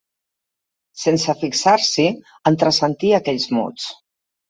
Sense fixar-s'hi, entresentí aquells mots.